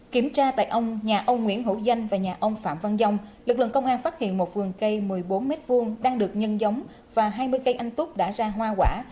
kiểm tra tại ông nhà ông nguyễn hữu danh và nhà ông phạm văn dông lực lượng công an phát hiện một vườn cây một mươi bốn m hai đang được nhân giống và hai mươi cây anh tú đã ra hoa quả